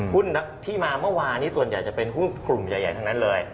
ที่มาเมื่อวานนี้ส่วนใหญ่จะเป็นหุ้นกลุ่มใหญ่ทั้งนั้นเลย